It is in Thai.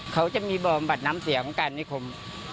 เขาจะมีบำบัดน้ำเสียของการนิคม